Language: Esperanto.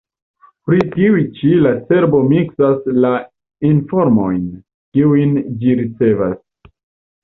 Pri tiuj ĉi la cerbo miksas la informojn, kiujn ĝi ricevas.